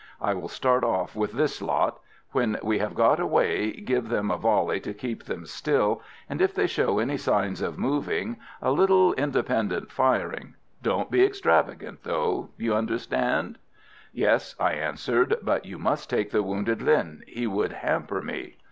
I will start off with this lot. When we have got away give them a volley to keep them still; and if they show any signs of moving, a little independent firing. Don't be extravagant, though. You understand?" [Illustration: PAGODA USED FOR AMBUSH.] [See page 139.] "Yes," I answered. "But you must take that wounded linh; he would hamper me."